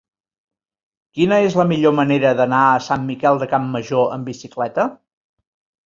Quina és la millor manera d'anar a Sant Miquel de Campmajor amb bicicleta?